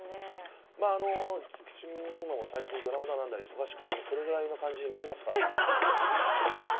まああの菊池風磨も最近ドラマだ何だで忙しくてねこれぐらいの感じに見えますからね。